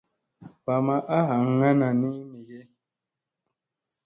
Va ma a ɦaŋŋanani mi ge.